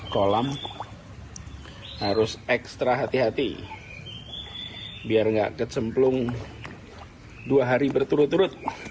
kolam harus ekstra hati hati biar nggak kecemplung dua hari berturut turut